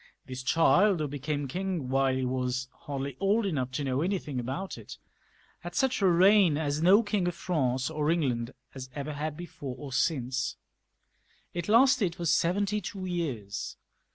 This child, who became king wjiile he was hardly old enough to know anything about, it, had such a reign as no King of France or England has ever had before or since. It lasted for seventy two years.